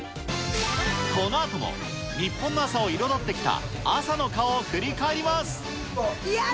このあとも日本の朝を彩ってきた朝の顔を振り返ります。